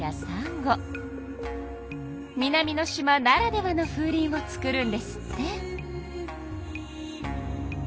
南の島ならではのふうりんを作るんですって。